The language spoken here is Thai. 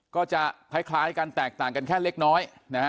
ก็จะคล้ายกันแตกต่างกันแค่เล็กน้อยนะฮะ